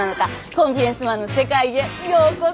コンフィデンスマンの世界へようこそ。